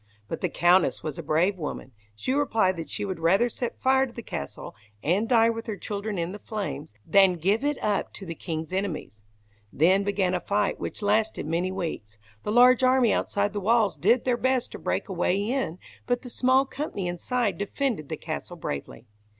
But the Countess was a brave woman. She replied that she would rather set fire to the castle, and die with her children in the flames, than give it up to the king's enemies. Then began a fight which lasted many weeks. The large army outside the walls did their best to break a way in, but the small company inside defended the castle bravely.